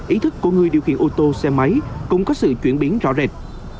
ý thức của người điều khiển ô tô xe máy cũng có sự chuyển biến rõ rệt